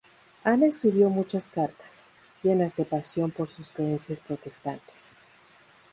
Anna escribió muchas cartas, llenas de pasión por sus creencias protestantes.